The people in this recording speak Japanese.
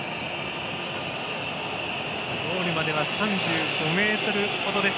ゴールまでは３５ｍ程です。